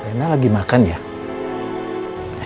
rena lagi makan ya